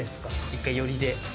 一回寄りで。